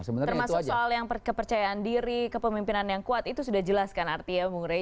termasuk soal yang kepercayaan diri kepemimpinan yang kuat itu sudah jelas kan artinya bung rey